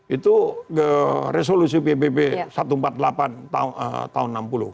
itu resolusi pbb satu ratus empat puluh delapan tahun enam puluh